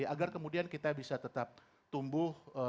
agar kemudian kita bisa tetap tumbuh